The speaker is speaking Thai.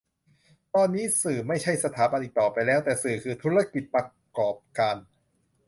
ตอนนี้สื่อไม่ใช่สถาบันอีกต่อไปแล้ว แต่สื่อคือธุรกิจประกอบการ